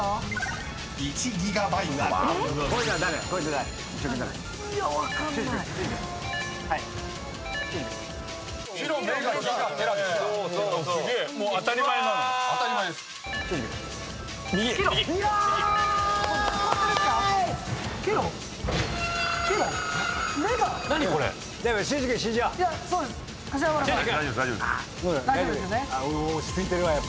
落ち着いてるわやっぱり。